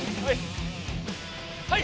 はい！